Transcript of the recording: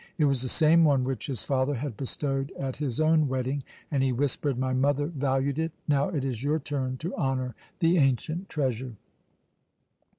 It was the same one which his father had bestowed at his own wedding, and he whispered: "My mother valued it; now it is your turn to honour the ancient treasure."